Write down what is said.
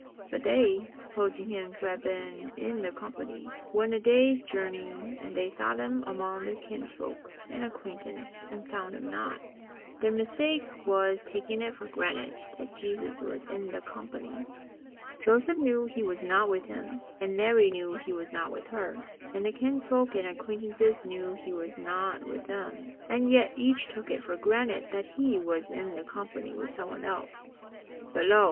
But they, supposing Him to have been in the company, went a day's journey ; and they sought Him among their kinsfolk and acquaintance and found Him not." Their mistake was in taking it for granted that Jesus was in the company. Joseph knew He was not with him, and Mary knew He was not with her, and the kinsfolks and acquaintances knew He was not with them, and yet each took it for granted that He was in the company with someone else. But lo